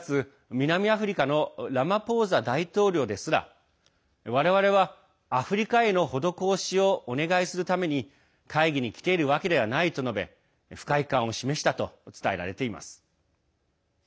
南アフリカのラマポーザ大統領ですら我々はアフリカへの施しをお願いするために会議に来ているわけではないと述べ不快感を示したと伝えられています。